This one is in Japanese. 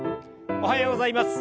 おはようございます。